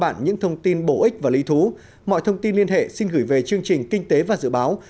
bản những thông tin bổ ích và lý thú mọi thông tin liên hệ xin gửi về chương trình kinh tế và dự báo